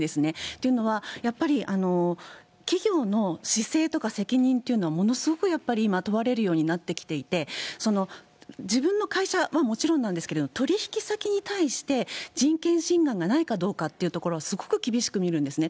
というのは、やっぱり企業の姿勢とか責任っていうのはものすごくやっぱり今、問われるようになってきていて、自分の会社はもちろんなんですけども、取引先に対して人権侵害がないかどうかというところをすごく厳しく見るんですね。